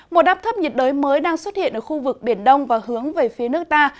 một áp thấp nhiệt đới mới đang xuất hiện ở khu vực biển đông và hướng về phía nước ta